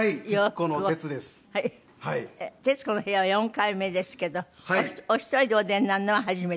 『徹子の部屋』は４回目ですけどお一人でお出になるのは初めて。